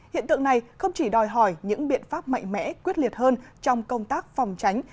hiện tượng này không chỉ đòi hỏi những biện pháp mạnh mẽ quyết liệt hơn trong công tác phòng tránh